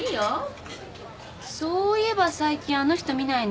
そういえば最近あの人見ないね。